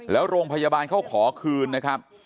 แล้วโรงพยาบาลเขาขอคืนนะครับ